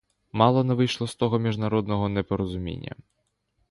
Мало не вийшло з того міжнародного непорозуміння.